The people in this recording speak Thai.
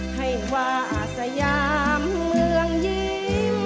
ให้ว่าอาสยามเมืองยิ้ม